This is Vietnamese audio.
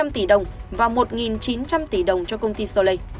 năm trăm linh tỷ đồng và một chín trăm linh tỷ đồng cho công ty soleil